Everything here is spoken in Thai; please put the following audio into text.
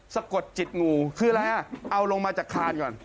สะกดจิตงูคืออะไรอ่ะเอาลงมาจากคานก่อน